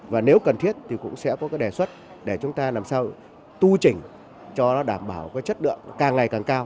và nếu cần thiết thì cũng sẽ có cái đề xuất để chúng ta làm sao tu chỉnh cho nó đảm bảo cái chất lượng càng ngày càng cao